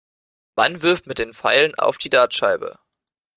Man wirft mit den Pfeilen auf die Dartscheibe.